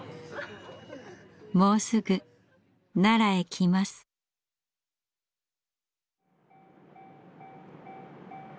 もうすぐ奈良へ来ます。